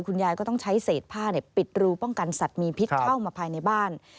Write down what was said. คุณยายก็ต้องใช้เศษผ้าปิดรูป้องกันสัตว์มีพิษเข้ามาภายในบ้าน